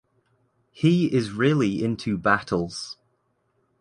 He is really into Battles.